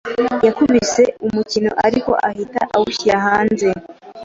Yakubise umukino, ariko ahita awushyira hanze.